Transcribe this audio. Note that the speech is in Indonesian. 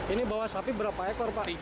ini bawa sapi berapa ekor pak